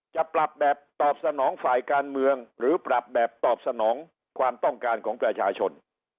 จะปรับแบบตอบสนองฝ่ายการเมืองหรือปรับแบบตอบสนองความต้องการของประชาชน